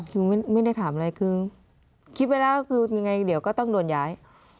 คือไม่ได้ถามอะไรคือคิดไว้แล้วก็คือยังไงเดี๋ยวก็ต้องโดนย้าย